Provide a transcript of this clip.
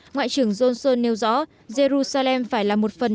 ngoại trưởng johnson nêu rõ jerusalem phải là một phần